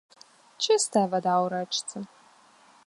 Чыстая вада ў рэчцы.